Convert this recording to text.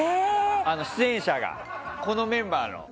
出演者が、このメンバーの。